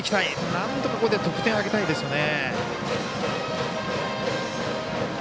なんとか、ここで得点挙げたいですよね。